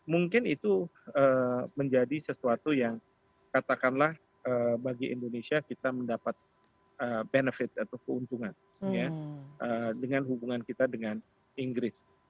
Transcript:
mungkin itu menjadi sesuatu yang katakanlah bagi indonesia kita mendapat benefit atau keuntungan dengan hubungan kita dengan inggris